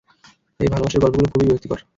এই ভালোবাসার গল্পগুলো, খুবিই বিরক্তিকর।